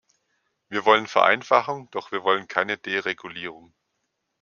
Wir wollen Vereinfachung, doch wir wollen keine Deregulierung.